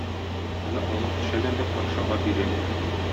Моны алып төшәләр дә патшага бирәләр.